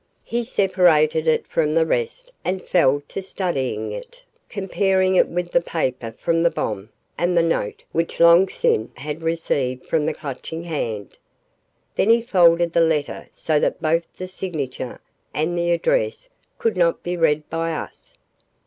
He separated it from the rest and fell to studying it, comparing it with the paper from the bomb and the note which Long Sin had received from the Clutching Hand. Then he folded the letter so that both the signature and the address could not be read by us.